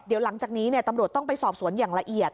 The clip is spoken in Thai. เดี๋ยวหลังจากนี้ตำรวจต้องไปสอบสวนอย่างละเอียด